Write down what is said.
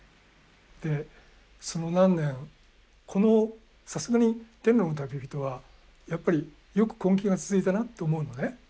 でその何年このさすがに「天路の旅人」はやっぱりよく根気が続いたなと思うのね。